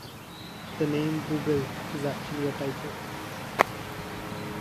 The name "Google" is actually a typo.